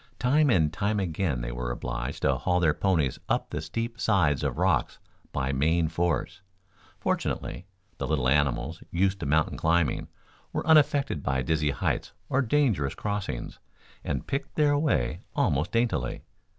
Time and time again they were obliged to haul their ponies up the steep sides of rocks by main force. Fortunately, the little animals, used to mountain climbing, were unaffected by dizzy heights or dangerous crossings, and picked their way almost daintily.